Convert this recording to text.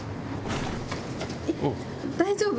大丈夫？